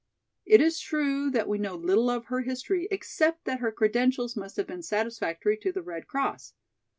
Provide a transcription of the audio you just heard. It is true that we know little of her history except that her credentials must have been satisfactory to the Red Cross.